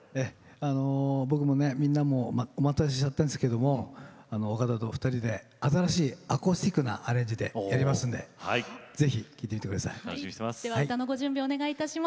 僕も、みんなお待たせしちゃったんですけど岡田と２人で新しいアコースティックなアレンジでやりますのでぜひ聴いてみてください。